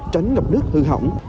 tránh ngập nước hư hỏng